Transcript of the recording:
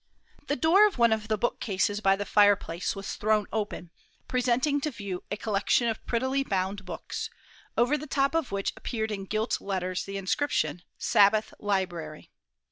The door of one of the bookcases by the fireplace was thrown open, presenting to view a collection of prettily bound books, over the top of which appeared in gilt letters the inscription, "Sabbath Library."